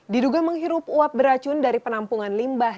diduga menghirup uap beracun dari penampungan limbah